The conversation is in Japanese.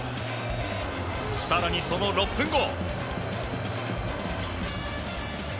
更にその６分後。